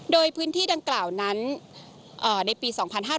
โดยพื้นที่ดังกล่าวนั้นในปี๒๕๕๙